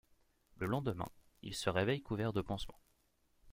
Le lendemain, il se réveille couvert de pansements.